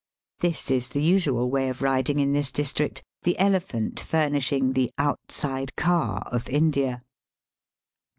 This is the usual way of riding in this district, the elephant furnishing the *^ outside car" of India.